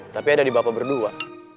tapi ada di bapak berdua